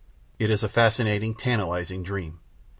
It is a fascinating, tantalising dream.